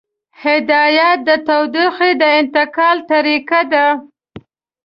هدایت د تودوخې د انتقال طریقه ده.